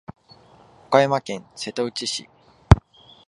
岡山県瀬戸内市